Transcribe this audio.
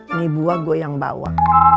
ini buah gue yang bawa